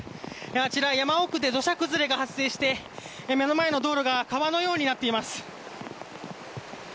あちら山奥で土砂崩れが発生して目の前の道路が川のようになっています。